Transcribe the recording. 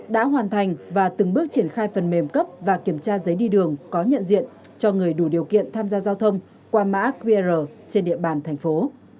đã hoàn thành và từng bước triển khai phần mềm cấp và kiểm tra giấy đi đường có nhận diện cho người đủ điều kiện tham gia giao thông qua mã qr trên địa bàn thành phố